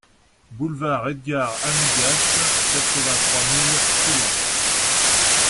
Boulevard Edgar Amigas, quatre-vingt-trois mille Toulon